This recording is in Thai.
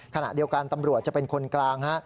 ขณะเดียวกันตำรวจจะเป็นคนกลาง